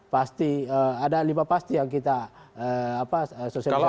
pasti ada lima pasti yang kita sosialisasi